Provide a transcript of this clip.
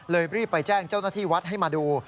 รีบไปแจ้งเจ้าหน้าที่วัดให้มาดู